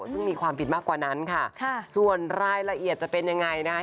ซึ่งมีความผิดมากกว่านั้นค่ะส่วนรายละเอียดจะเป็นยังไงนะคะ